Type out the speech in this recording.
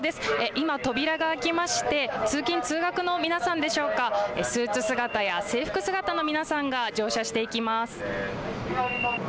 今扉が開きまして通勤通学の皆さんでしょうかスーツ姿や制服姿の皆さんが乗車していきます。